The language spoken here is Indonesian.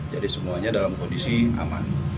jadi semuanya dalam kondisi aman